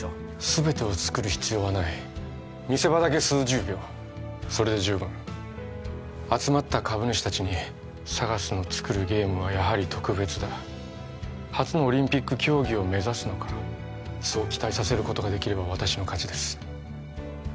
全てを作る必要はない見せ場だけ数十秒それで十分集まった株主たちにＳＡＧＡＳの作るゲームはやはり特別だ初のオリンピック競技を目指すのかそう期待させることができれば私の勝ちです